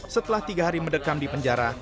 setelah tiga hari mendekam di penjara